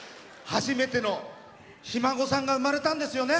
初めてのひ孫さんが生まれたんですよね。